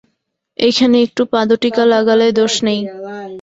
এইখানে একটু পাদটীকা লাগালে দোষ নেই।